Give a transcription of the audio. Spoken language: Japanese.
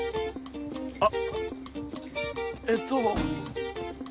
あえっと。